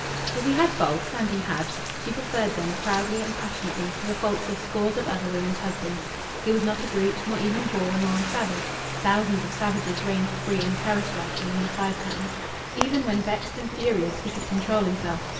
If he had faults and he had she preferred them (proudly and passionately) to the faults of scores of other women's husbands. He was not a brute, nor even a boor nor a savage thousands of savages ranged free and terror striking in the Five Towns. Even when vexed and furious he could control himself.